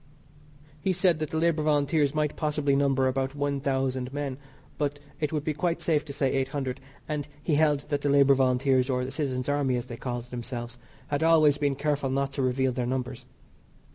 He said the Labour Volunteers might possibly number about one thousand men, but that it would be quite safe to say eight hundred, and he held that the Labour Volunteers, or the Citizens' Army, as they called themselves, had always been careful not to reveal their numbers.